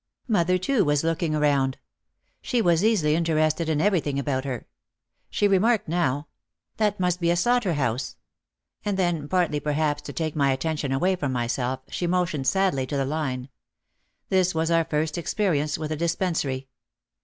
Mother, too, was looking around. She was easily in terested in everything about her. She remarked now : 'That must be a slaughter house," and then, partly per haps to take my attention away from myself, she mo tioned sadly to the line. This was our first experience with a Dispensary.